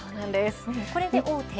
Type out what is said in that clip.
これで大手。